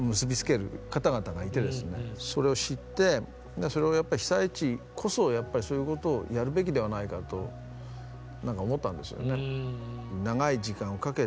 それを知ってそれをやっぱり被災地こそそういうことをやるべきではないかと何か思ったんですよね。